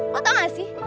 lo tau gak sih